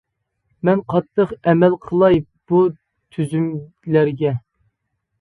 مەن قاتتىق ئەمەل قىلاي بۇ تۈزۈملەرگە.